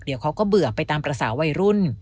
เดี๋ยวเขาก็เบื่อไปตามภาษาวัยรุ่น